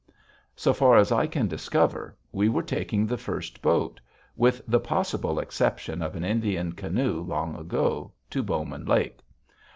So far as I can discover, we were taking the first boat, with the possible exception of an Indian canoe long ago, to Bowman Lake.